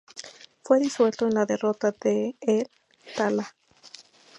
Fue disuelto en la derrota de El Tala.